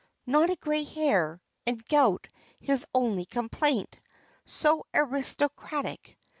Not a gray hair, and gout his only complaint. So aristocratic.